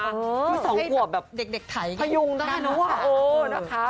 ไม่๒ขวบแบบพยุงได้แล้วค่ะโอ้นะคะ